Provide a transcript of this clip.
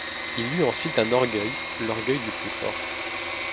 Il eut ensuite un orgueil, l’orgueil du plus fort.